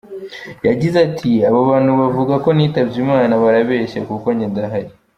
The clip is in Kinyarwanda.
Yagize ati “Abo bantu bavuga ko nitabye Imana barabeshya kuko njye ndahari.